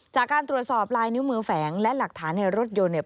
จากการตรวจสอบลายนิ้วมือแฝงและหลักฐานในรถยนต์เนี่ย